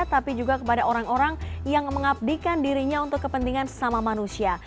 tapi juga kepada orang orang yang mengabdikan dirinya untuk kepentingan sesama manusia